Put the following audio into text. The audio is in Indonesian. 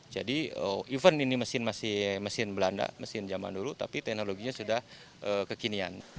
jadi even ini mesin masih mesin belanda mesin zaman dulu tapi teknologinya sudah kekinian